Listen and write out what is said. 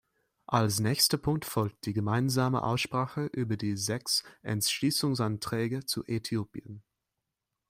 Als nächster Punkt folgt die gemeinsame Aussprache über die sechs Entschließungsanträge zu Äthiopien.